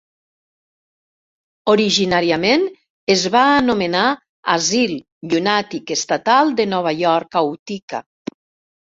Originàriament es va anomenar Asil Llunàtic Estatal de Nova York a Utica.